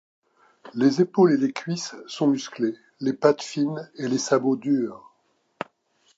Les épaules et les cuisses sont musclées, les pattes fines et les sabots durs.